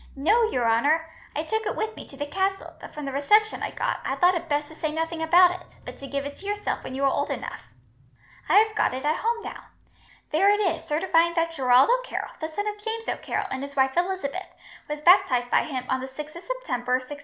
"No, your honour. I took it with me to the castle, but from the reception I got, I thought it best to say nothing about it, but to give it to yourself when you were old enough. I have got it at home now. There it is, certifying that Gerald O'Carroll, the son of James O'Carroll and his wife Elizabeth, was baptized by him on the 6th of September, 1692."